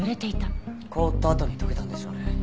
凍ったあとに溶けたんでしょうね。